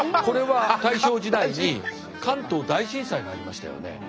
これは大正時代に関東大震災がありましたよね。